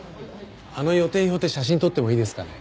あの予定表って写真撮ってもいいですかね？